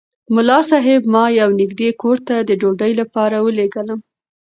ملا صاحب ما یو نږدې کور ته د ډوډۍ لپاره ولېږلم.